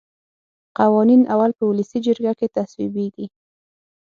قوانین اول په ولسي جرګه کې تصویبیږي.